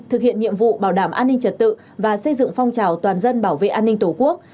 thực hiện nhiệm vụ bảo đảm an ninh trật tự và xây dựng phong trào toàn dân bảo vệ an ninh tổ quốc